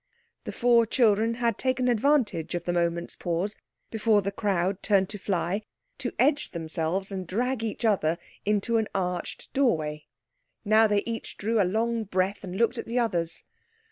The four children had taken advantage of the moment's pause before the crowd turned to fly, to edge themselves and drag each other into an arched doorway. Now they each drew a long breath and looked at the others.